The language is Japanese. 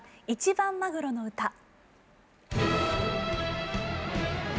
「一番マグロの謳」。